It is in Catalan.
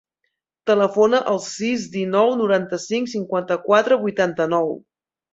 Telefona al sis, dinou, noranta-cinc, cinquanta-quatre, vuitanta-nou.